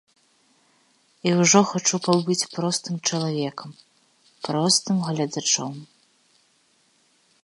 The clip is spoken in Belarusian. І ўжо хачу пабыць простым чалавекам, простым гледачом.